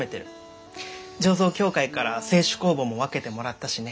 醸造協会から清酒酵母も分けてもらったしね。